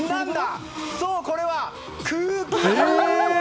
そう、これは空気砲！